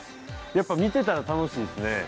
やっぱ見てたら楽しいですね。